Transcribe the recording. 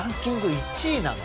１位なの？